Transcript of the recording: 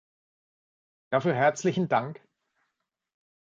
Dafür herzlichen Dank.